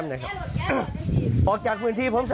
ขอลองกันออกจากพื้นที่พร้อมไปซะ